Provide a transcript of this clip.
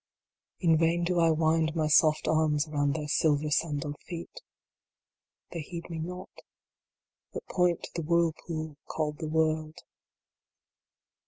In vain do I wind my soft arms around their silver san daled feet They heed me not. But point to the whirlpool called the world.